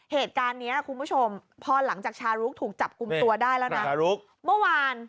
เหตุการณ์นี้คุณผู้ชมพ่อหลังจากชารุ๊กถูกจับกลุ้มตัวได้แล้วนะ